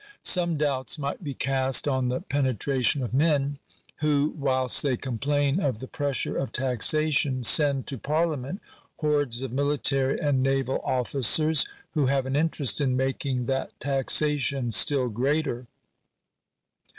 Some doubts might be cast on the pene tration of men who, whilst they complain of the pressure of taxation, send to parliament hordes of military and naval officers, who have an interest in making that taxation still greater.